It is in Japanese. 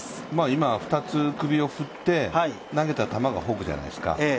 今２つ首を振って投げた球がフォークじゃないですか。